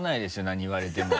何言われても。